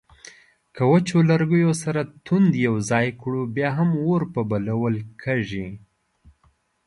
که وچو لرګیو سره توند یو ځای کړو بیا هم اور په بلول کیږي